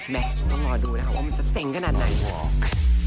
ต้องรอดูนะคะว่ามันจะเจ๋งขนาดไหนบอก